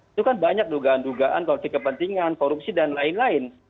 itu kan banyak dugaan dugaan konflik kepentingan korupsi dan lain lain